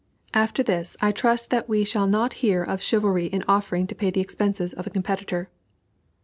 After this I trust that we shall not hear of chivalry in offering to pay the expenses of a competitor.